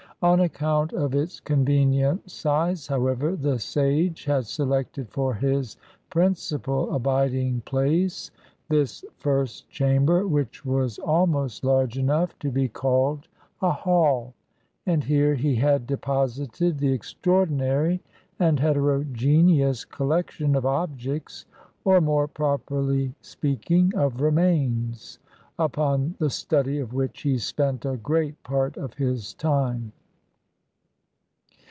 On account of its convenient size, however, the sage had selected for his principal abiding place this first chamber, which was almost large enough to be called a hall, and here he had deposited the extraordinary and heterogeneous collection of objects, or, more property speaking, of remains, upon the study of which he spent a great part of his time.